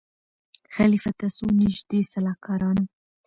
خلیفه ته څو نیژدې سلاکارانو